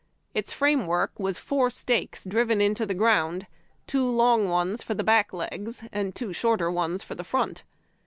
Its framework was four stakes driven into the ground, two long ones for the back legs, and two shorter ones for the front.